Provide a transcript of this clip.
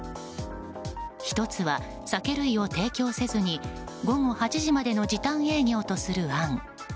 １つは、酒類を提供せずに午後８時までの時短営業とする案。